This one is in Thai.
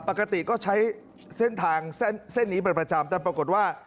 ปกติก็ใช้เส้นทางเส้นนี้เป็นประจำแต่ปรากฏว่า